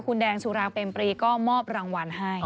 คุณแดงสุรางเป็มปรีก็มอบรางวัลให้